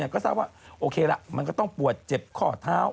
ก็ทราบว่าโอเคละมันก็ต้องปวดเจ็บข้อเท้า